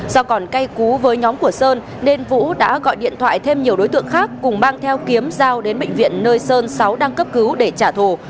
do còn cây cú với nhóm của sơn nên vũ đã gọi điện thoại thêm nhiều đối tượng khác cùng mang theo kiếm giao đến bệnh viện nơi sơn sáu đang cấp cứu để trả thù